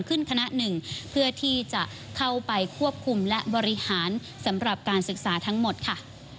คณะหนึ่งเพื่อที่จะเข้าไปควบคุมและบริหารสำหรับการศึกษาทั้งหมดค่ะ